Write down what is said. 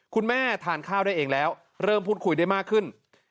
คุณแม่ทานข้าวได้เองแล้วเริ่มพูดคุยได้มากขึ้น